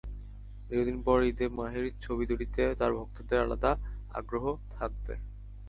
দীর্ঘদিন পর ঈদে মাহির ছবি দুটিতে তাঁর ভক্তদের আলাদা আগ্রহ থাকবে।